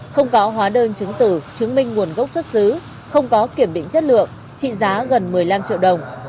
không có hóa đơn chứng tử chứng minh nguồn gốc xuất xứ không có kiểm định chất lượng trị giá gần một mươi năm triệu đồng